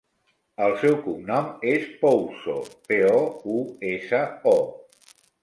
El seu cognom és Pouso: pe, o, u, essa, o.